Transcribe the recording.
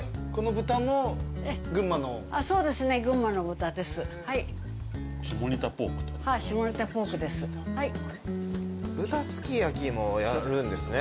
豚すき焼もやるんですね。